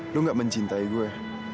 lo gak mencintai gue